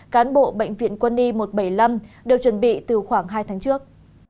cán bộ bệnh viện quân y một trăm bảy mươi năm đều chuẩn bị từ khoảng hai tháng trước